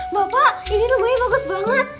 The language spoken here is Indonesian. bapak ini rumahnya bagus banget